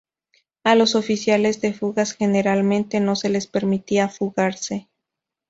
A los oficiales de fugas generalmente no se les permitía fugarse.